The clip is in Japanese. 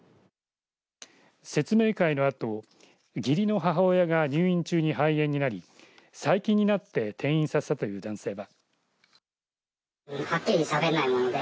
説明会のあと義理の母親が入院中に肺炎になり最近になって転院させたという男性は。